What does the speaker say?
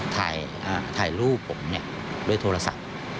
ถ่ายอ่าถ่ายรูปผมเนี่ยด้วยโทรศัพท์